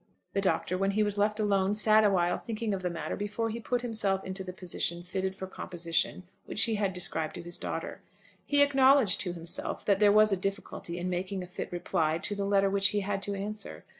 The Doctor, when he was left alone, sat a while thinking of the matter before he put himself into the position fitted for composition which he had described to his daughter. He acknowledged to himself that there was a difficulty in making a fit reply to the letter which he had to answer.